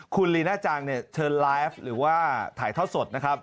คุณลีน่าจังเนี่ยเชิญไลฟ์หรือว่าถ่ายทอดสดนะครับ